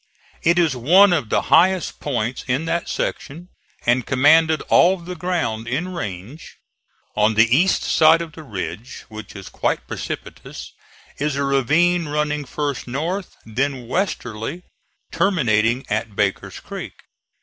It is one of the highest points in that section, and commanded all the ground in range. On the east side of the ridge, which is quite precipitous, is a ravine running first north, then westerly, terminating at Baker's Creek.